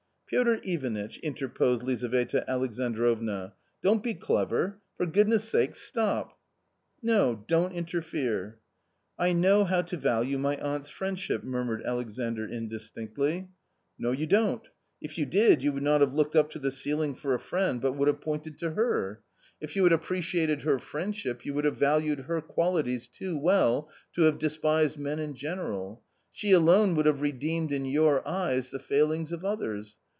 "' "Piotr Ivanitch," interposed Iizaveta^.Alj^ajidroxna, " don't f>e clever ; for goodness' sa£e, stop." " No, don't interfere." " I know how to value my aunt's friendship," murmured Alexandr indistinctly. " No, you don't { if you did, you would not have looked up to the ceiling for a friend, but would have pointed to her. A COMMON STORY 155 If you had appreciated her friendship, you would have valued her qualities too well to have despised men in general. She alone would have redeemed in your eyes the failings of others.